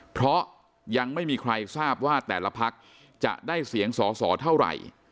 เพราะยังไม่มีใครทราบว่าแต่ละพักจะได้เสียงสอสอเท่าไหร่